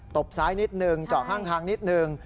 ตบซ้ายนิดหนึ่งเจาะข้างนิดหนึ่ง